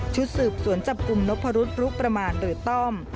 สืบสวนจับกลุ่มนพรุษรุประมาณหรือต้อม